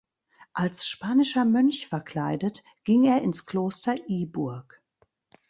Als spanischer Mönch verkleidet, ging er ins Kloster Iburg.